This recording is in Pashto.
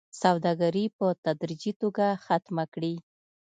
سوداګري په تدريجي توګه ختمه کړي